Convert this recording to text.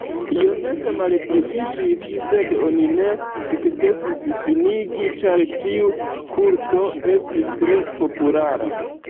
Iomete malpliiĝis, sed oni ne sukcesis finigi, ĉar tiu kulto estis tre populara.